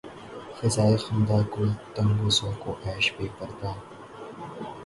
فضائے خندۂ گل تنگ و ذوق عیش بے پردا